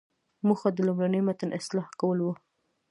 موخه د لومړني متن اصلاح کول وو.